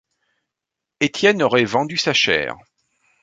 Étienne aurait vendu sa chair.